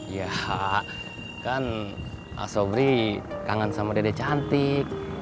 ya kan asobri kangen sama dede cantik